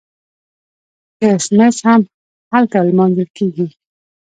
کریسمس هم هلته لمانځل کیږي.